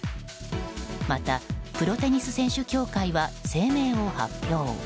また、プロテニス選手協会は声明を発表。